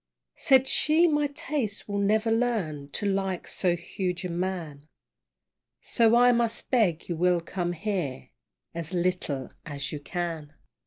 Said she, my taste will never learn To like so huge a man, So I must beg you will come here As little as you can.